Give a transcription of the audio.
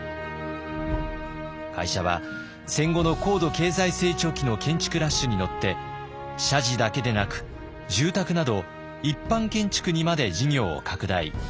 会社は戦後の高度経済成長期の建築ラッシュに乗って社寺だけでなく住宅など一般建築にまで事業を拡大。